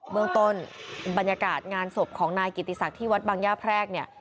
เมืองต้นบรรยากาศงานศพของนายกิติศักดิ์ที่วัดบางย่าแพรกเนี่ย